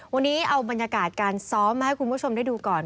วันนี้เอาบรรยากาศการซ้อมมาให้คุณผู้ชมได้ดูก่อน